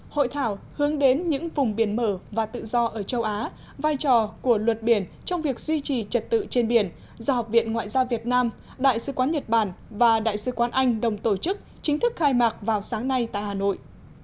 hội thảo hướng đến những vùng biển mở và tự do ở châu á vai trò của luật biển trong việc duy trì trật tự trên biển do học viện ngoại giao việt nam đại sứ quán nhật bản và đại sứ quán anh đồng tổ chức chính thức khai mạc vào sáng nay tại hà nội